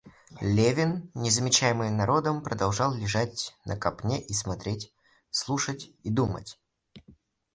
Левин, не замечаемый народом, продолжал лежать на копне и смотреть, слушать и думать.